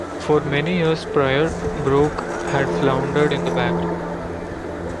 For many years prior, Brooke had floundered in the background.